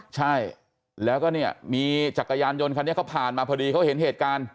ใช่แล้วก็เนี่ยมีจักรยานยนต์คันนี้เขาผ่านมาพอดีเขาเห็นเหตุการณ์